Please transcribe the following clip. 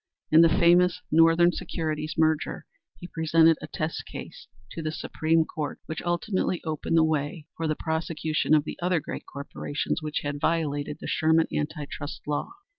In the famous Northern Securities merger he presented a test case to the Supreme Court which ultimately opened the way for the prosecution of the other great corporations which had violated the Sherman Anti trust Law.